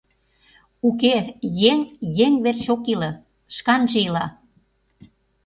Уке, еҥ еҥ верч ок иле, шканже ила...